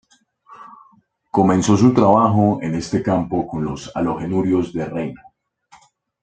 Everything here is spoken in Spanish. Comenzó su trabajo en este campo con los halogenuros de renio.